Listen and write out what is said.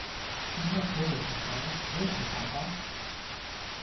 We must go there some time, won't we, papa?'